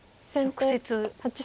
直接。